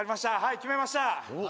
決めました。